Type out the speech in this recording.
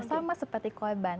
sama seperti korban